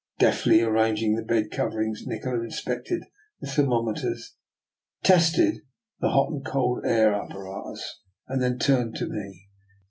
Deftly ar ranging the bed coverings, Nikola inspected the thermometers, tested the hot and cold air apparatus, and then turned to me.